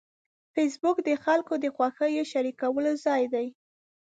فېسبوک د خلکو د خوښیو شریکولو ځای دی